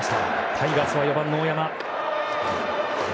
タイガースは４番の大山。